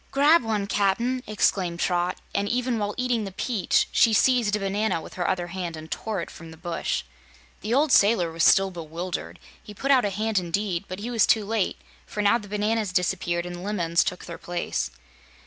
"Grab one, Cap'n!" exclaimed Trot, and even while eating the peach she seized a banana with her other hand and tore it from the bush. The old sailor was still bewildered. He put out a hand indeed, but he was too late, for now the bananas disappeared and lemons took their place.